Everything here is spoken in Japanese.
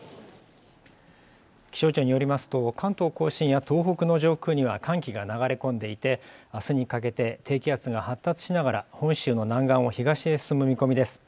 気象庁によりますと関東・甲信や東北の上空には寒気が流れ込んでいて明日にかけて低気圧が発達しながら本州の南岸を東へ進む見込みです。